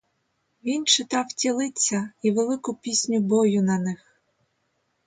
Він читав ті лиця і велику пісню бою на них.